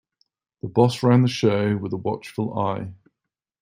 The boss ran the show with a watchful eye.